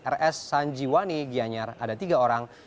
rs sanjiwani gianyar ada tiga orang